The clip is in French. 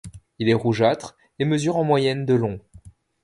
Il est rougeâtre et mesure en moyenne de long.